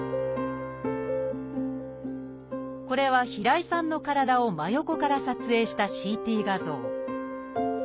これは平井さんの体を真横から撮影したＣＴ画像